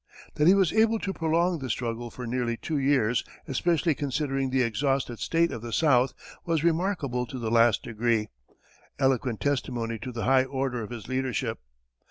That he was able to prolong this struggle for nearly two years, especially considering the exhausted state of the South, was remarkable to the last degree, eloquent testimony to the high order of his leadership.